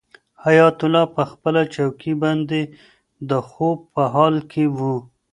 حیات الله په خپله چوکۍ باندې د خوب په حال کې و.